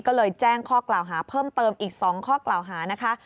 ก็เลยแจ้งข้อกล่าวหาเพิ่มเติมอีก๒ข้อกล่าวหานะคะ